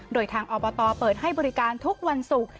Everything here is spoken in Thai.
โดยทางอบตเปิดให้บริการทุกวันศุกร์